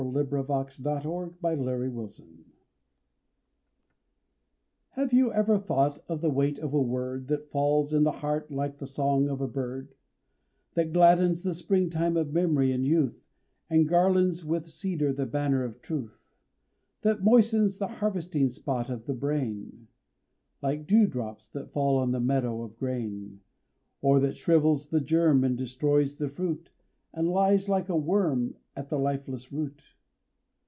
January, 1887. The Weight of a Word. Have you ever thought of the weight of a word That falls in the heart like the song of a bird, That gladdens the springtime of memory and youth And garlands with cedar the banner of Truth, That moistens the harvesting spot of the brain Like dew drops that fall on the meadow of grain Or that shrivels the germ and destroys the fruit And lies like a worm at the lifeless root?